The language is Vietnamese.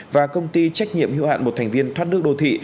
và công ty trách nhiệm hữu hạn một thành viên thoát nước đô thị